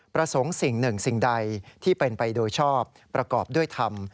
ประสงค์สิ่งหนึ่งสิ่งใดที่เป็นไปโดยชอบประกอบด้วยธรรม